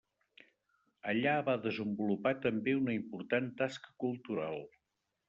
Allà va desenvolupar també una important tasca cultural.